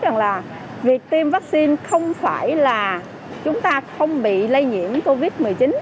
rằng là việc tiêm vaccine không phải là chúng ta không bị lây nhiễm covid một mươi chín